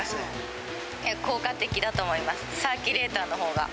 効果的だと思います、サーキュレーターのほうが。